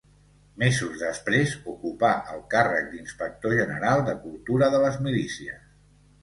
Mesos després ocupà el càrrec d'inspector general de cultura de les milícies.